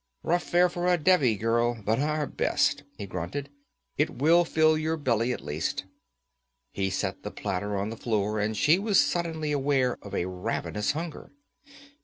'Rough fare for a Devi, girl, but our best,' he grunted. 'It will fill your belly, at least.' He set the platter on the floor, and she was suddenly aware of a ravenous hunger.